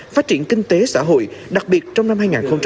phát triển kinh tế xã hội đặc biệt trong năm hai nghìn hai mươi